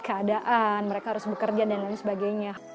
keadaan mereka harus bekerja dan lain sebagainya